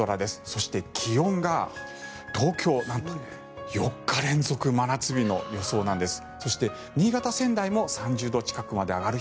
そして、気温が東京なんと４日連続真夏日の予想なんです。